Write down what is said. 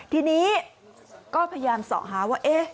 ทีนี้ก็พยายามเสาะหาว่า